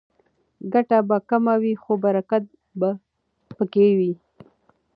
ګټه به کمه وي خو برکت به پکې وي.